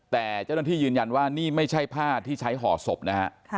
แต่เจ้าหน้าที่ยืนยันว่านี่ไม่ใช่ผ้าที่ใช้ห่อศพนะฮะ